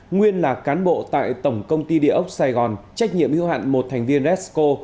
nguyên là cán bộ tại tổng công ty địa ốc sài gòn trách nhiệm hữu hạn một thành viên resco